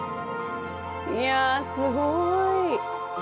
いやすごい。